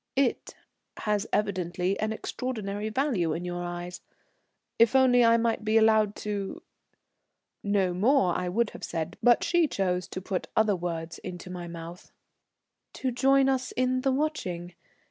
"'It' has evidently an extraordinary value in your eyes. If only I might be allowed to " know more, I would have said, but she chose to put other words into my mouth. "To join us in the watching?